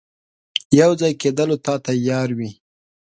یو ځای کېدلو ته تیار وي.